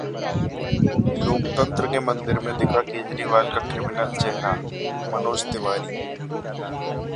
लोकतंत्र के मंदिर में दिखा केजरीवाल का क्रिमिनल चेहरा: मनोज तिवारी